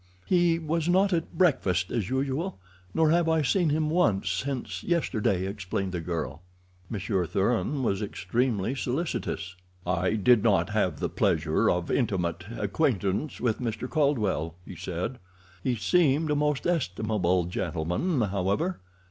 "He was not at breakfast as usual, nor have I seen him once since yesterday," explained the girl. Monsieur Thuran was extremely solicitous. "I did not have the pleasure of intimate acquaintance with Mr. Caldwell," he said. "He seemed a most estimable gentleman, however.